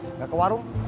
enggak ke warung